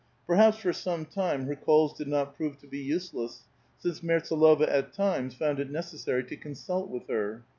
Perhaps for some time her calls did not prove to be useless, since Mertsdlova at times found it necessary to consult with her.